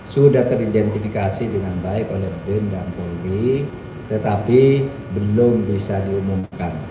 sudah teridentifikasi dengan baik oleh bin dan polri tetapi belum bisa diumumkan